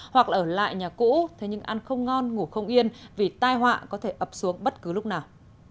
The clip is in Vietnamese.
hoặc ở lại nhà cũ thế nhưng ăn không ngon ngủ không yên vì tai họa có thể ập xuống bất cứ lúc nào